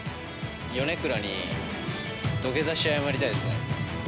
米倉に土下座して謝りたいですね。